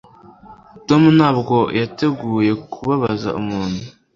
Tom ntabwo yateguye kubabaza umuntu